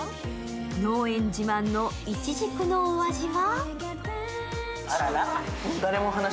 農園自慢のいちじくのお味は？